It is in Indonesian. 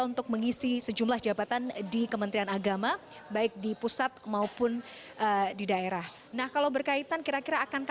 untuk mengisi sejumlah jabatan di kementerian agama baik di pusat maupun di daerah nah kalau berkaitan kira kira akan